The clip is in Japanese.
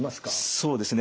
そうですね。